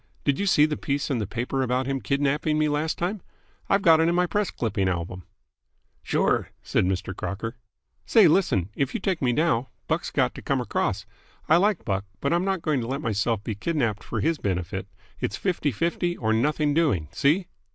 Did you see the piece in the paper about him kidnapping me last time? I've got it in my press clipping album." "Sure," said Mr. Crocker. "Say, listen. If you take me now, Buck's got to come across. I like Buck, but I'm not going to let myself be kidnapped for his benefit. It's fifty fifty, or nothing doing. See?"